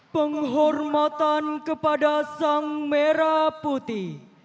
penghormatan kepada sang merah putih